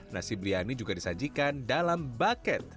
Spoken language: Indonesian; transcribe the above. nasi biryani juga disajikan dalam bucket